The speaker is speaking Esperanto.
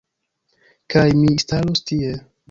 Kaj mi starus tie...